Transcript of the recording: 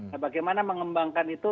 nah bagaimana mengembangkan itu